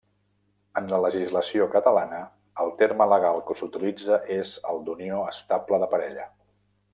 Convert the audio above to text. En la legislació catalana, el terme legal que s'utilitza és el d'unió estable de parella.